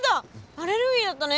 アレルギーだったね。